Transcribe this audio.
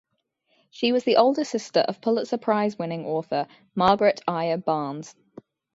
She was the older sister of Pulitzer Prize-winning author Margaret Ayer Barnes.